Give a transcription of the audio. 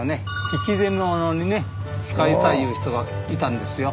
引き出物にね使いたいいう人がいたんですよ。